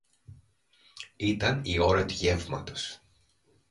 Ήταν η ώρα του γεύματος